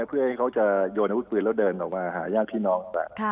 เพื่อให้เขาจะโดนอุดปืนแล้วเดินออกมาหาย่านพี่น้อง